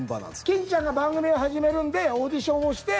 欽ちゃんが番組を始めるのでオーディションをして。